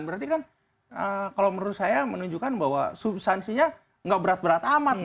berarti kan kalau menurut saya menunjukkan bahwa substansinya nggak berat berat amat